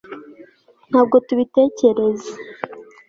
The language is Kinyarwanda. ntabwo tubitekereza